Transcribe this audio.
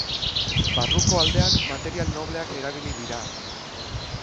Barruko aldean material nobleak erabili dira.